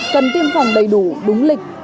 cần tiêm phòng đầy đủ đúng lịch